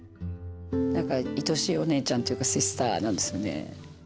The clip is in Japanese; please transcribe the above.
何か愛しいお姉ちゃんっていうかシスターなんですよね